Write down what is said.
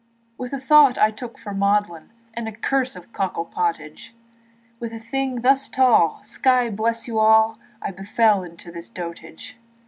With a thought I took for Maudlin And a cruse of cockle pottage, With a thing thus tall, sky bless you all, I befell into this dotage.